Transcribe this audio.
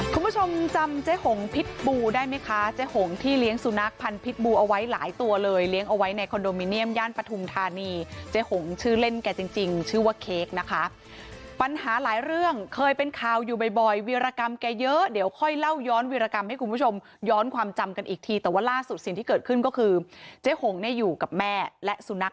คุณผู้ชมจำเจ๊หงพิษบูได้ไหมคะเจ๊หงที่เลี้ยงสุนัขพันธ์พิษบูเอาไว้หลายตัวเลยเลี้ยงเอาไว้ในคอนโดมิเนียมย่านปฐุมธานีเจ๊หงชื่อเล่นแกจริงจริงชื่อว่าเค้กนะคะปัญหาหลายเรื่องเคยเป็นข่าวอยู่บ่อยวีรกรรมแกเยอะเดี๋ยวค่อยเล่าย้อนวิรกรรมให้คุณผู้ชมย้อนความจำกันอีกทีแต่ว่าล่าสุดสิ่งที่เกิดขึ้นก็คือเจ๊หงเนี่ยอยู่กับแม่และสุนัข